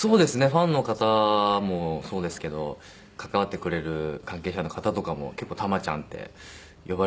ファンの方もそうですけど関わってくれる関係者の方とかも結構「玉ちゃん」って呼ばれる事が多いですね。